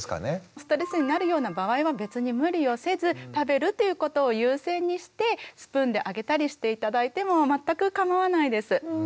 ストレスになるような場合は別に無理をせず食べるということを優先にしてスプーンであげたりして頂いても全く構わないです。